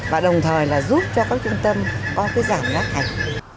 và đồng thời giúp cho các trung tâm có giảm giá thành